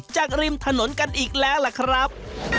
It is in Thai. ริมถนนกันอีกแล้วล่ะครับ